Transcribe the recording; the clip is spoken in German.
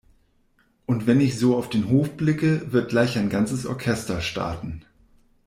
Und wenn ich so auf den Hof blicke, wird gleich ein ganzes Orchester starten.